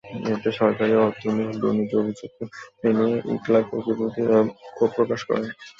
এতে সরকারি অর্থ নিয়ে দুর্নীতির অভিযোগ এনে ইংলাকের বিরোধীরা ক্ষোভ প্রকাশ করে।